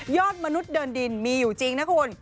มนุษย์เดินดินมีอยู่จริงนะคุณ